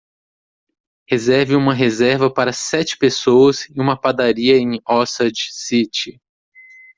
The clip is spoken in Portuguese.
Reserve uma reserva para sete pessoas em uma padaria em Osage City